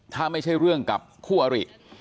ถ้าไม่ใช่เรื่องกับคู่อริ